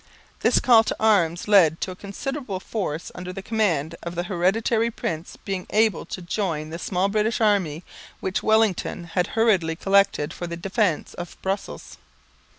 This call to arms led to a considerable force under the command of the hereditary prince being able to join the small British army, which Wellington had hurriedly collected for the defence of Brussels.